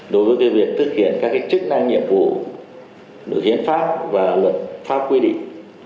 đối với việc thực hiện các chức năng nhiệm vụ được hiến pháp và luật pháp quy định